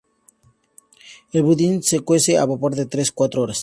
El budín se cuece a vapor de tres a cuatro horas.